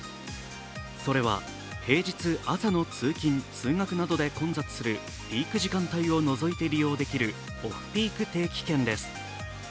それは平日朝の通勤通学などで混雑するピーク時間帯を除いて利用できるオフピーク定期券です。